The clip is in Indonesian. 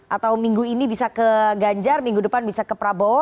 atau minggu ini bisa ke ganjar minggu depan bisa ke prabowo